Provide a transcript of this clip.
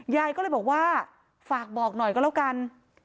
ยายก็เลยบอกว่าฝากบอกหน่อยก็แล้วกัน